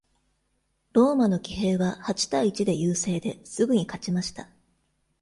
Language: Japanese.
ローマの騎兵は八対一で優勢で、すぐに勝ちました。